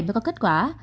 mới có kết quả